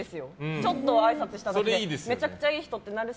ちょっとあいさつしただけでめちゃくちゃいい人ってなるし